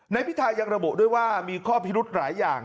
พิทายังระบุด้วยว่ามีข้อพิรุธหลายอย่าง